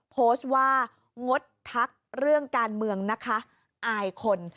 โพสต์ว่างดทักเรื่องการเมืองนะคะอายคน